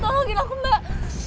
tolongin aku mbak